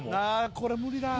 これ無理だ。